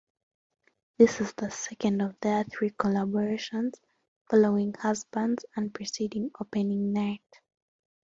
This is the second of their three collaborations, following "Husbands" and preceding "Opening Night".